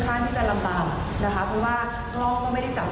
คุณสิริกัญญาบอกว่า๖๔เสียง